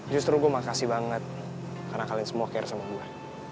justru gue makasih banget karena kalian semua care sama gue